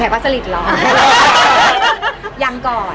แต่ว่าสลิดร้อน